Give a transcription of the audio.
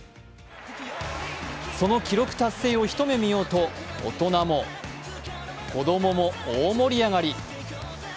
その記録達成を一目見ようと大人も子供も大盛り上がり。